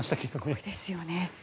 すごいですよね。